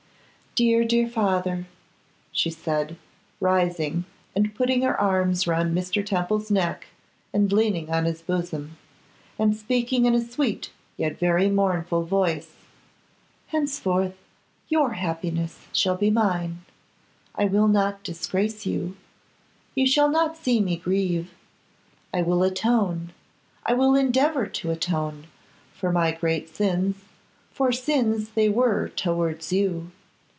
Dear, dear father,' she said, rising and putting her arms round Mr. Temple's neck and leaning on his bosom, and speaking in a sweet yet very mournful voice, 'henceforth your happiness shall be mine. I will not disgrace you; you shall not see me grieve; I will atone, I will endeavour to atone, for my great sins, for sins they were towards you.